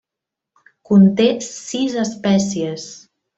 Conté sis espècies.